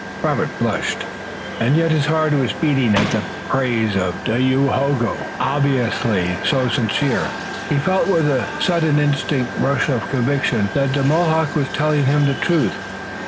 Robert blushed, and yet his heart was beating at the praise of Dayohogo, obviously so sincere. He felt with a sudden instinctive rush of conviction that the Mohawk was telling him the truth.